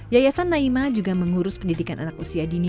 yayasan naima juga mengurus pendidikan anak usia dini